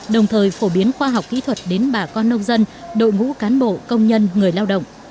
đồng thời phổ biến khoa học kỹ thuật đến bà con nông dân đội ngũ cán bộ công nhân người lao động